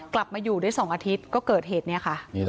กลับมาอยู่ได้๒อาทิตย์ก็เกิดเหตุนี้ค่ะ